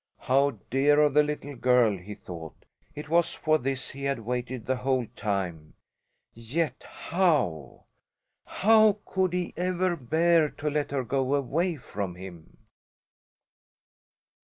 How dear of the little girl! he thought. It was for this he had waited the whole time yet how, how could he ever bear to let her go away from him?